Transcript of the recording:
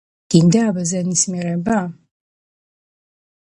გინდა აბაზანის მიღება?